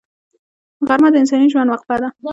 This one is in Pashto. غرمه د انساني ژوند وقفه ده